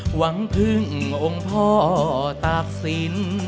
หวังพึ่งองค์พ่อตากศิลป์